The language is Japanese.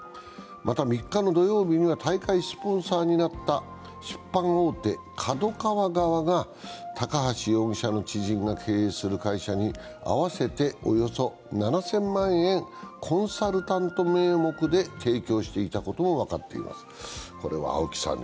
また、３日の土曜日には大会スポンサーになった出版大手のＫＡＤＯＫＡＷＡ側が高橋容疑者の知人が経営する会社に合わせておよそ７０００万円、コンサルタント名目で提供していたことも分かっています。